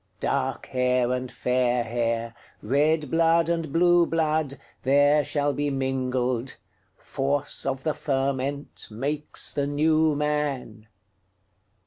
Dark hair and fair hair, Red blood and blue blood, There shall be mingled; Force of the fermentMakes the New Man.